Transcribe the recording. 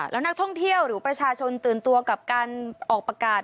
แล้วนักท่องเที่ยวหรือประชาชนตื่นตัวกับการออกประกาศ